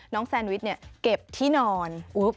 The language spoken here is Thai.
น้องแซนวิทย์เก็บที่นอน